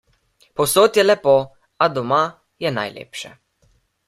Povsod je lepo, a doma je najlepše.